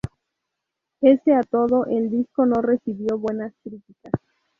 Pese a todo, el disco no recibió buenas críticas.